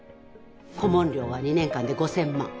顧問料は２年間で５，０００万。